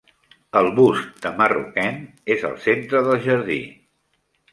El bust de Marroquín és el centre del jardí.